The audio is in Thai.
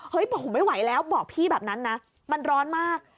บอกผมไม่ไหวแล้วบอกพี่แบบนั้นนะมันร้อนมาก